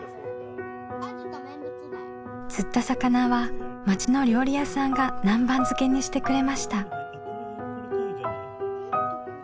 釣った魚は町の料理屋さんが南蛮漬けにしてくれました。